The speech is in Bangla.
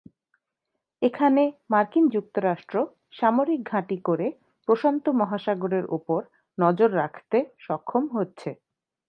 এখানে মার্কিন যুক্তরাষ্ট্র সামরিক ঘাঁটি করে প্রশান্ত মহাসাগরের ওপর নজর রাখতে সক্ষম হচ্ছে।